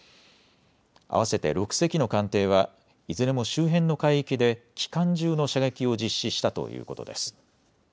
合わせて６隻の艦艇はいずれも周辺の海域で機関銃の射撃を実施したということです。